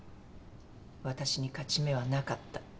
私に勝ち目はなかった。